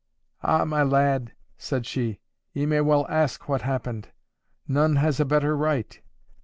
'Ah, my lad!' said she, 'ye may well ask what happened. None has a better right.